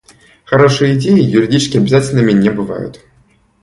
Хорошие идеи юридически обязательными не бывают.